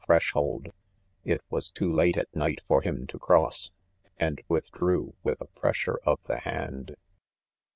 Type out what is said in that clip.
threshold^ it was too late at night for him to cross, and withdrew with a pressure of the hand.